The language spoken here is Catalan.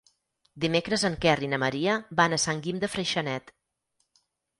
Dimecres en Quer i na Maria van a Sant Guim de Freixenet.